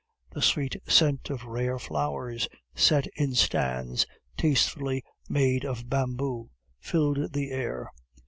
The sweet scent of rare flowers, set in stands tastefully made of bamboo, filled the air.